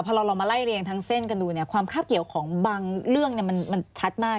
พอเรามาไล่เรียงทั้งเส้นกันดูเนี่ยความคาบเกี่ยวของบางเรื่องมันชัดมาก